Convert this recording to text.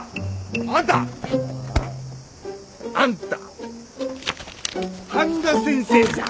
あんた！あんた半田先生じゃん！